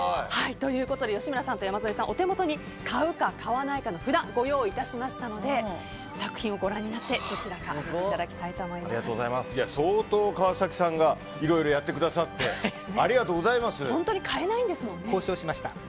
吉村さんと山添さん、お手元に買うか買わないかの札をご用意いたしましたので作品をご覧になってどちらか上げていただきたいと相当、川崎さんがいろいろやってくださって本当に買えないんですもんね。